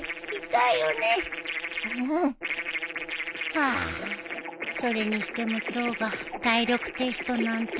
ハァそれにしても今日が体力テストなんてね。